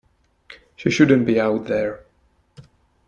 She shouldn't be out there.